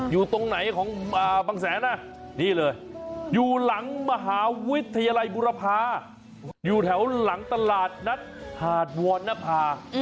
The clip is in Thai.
อยู่หลังมหาวิทยาลัยบุรพาอยู่แถวหลังตลาดนัดหาดวดนพา